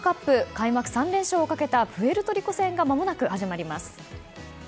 開幕３連勝をかけたプエルトリコ戦がまもなく始まります。